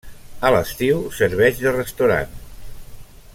A l'estiu serveix de restaurant.